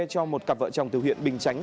cho một cặp vợ chồng từ huyện bình chánh